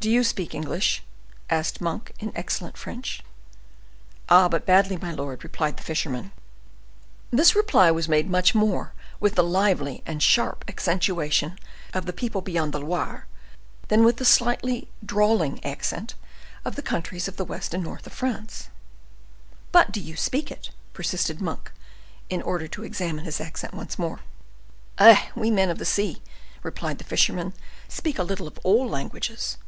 "Do you speak English?" asked Monk, in excellent French. "Ah! but badly, my lord," replied the fisherman. This reply was made much more with the lively and sharp accentuation of the people beyond the Loire, than with the slightly drawling accent of the countries of the west and north of France. "But you do speak it?" persisted Monk, in order to examine his accent once more. "Eh! we men of the sea," replied the fisherman, "speak a little of all languages."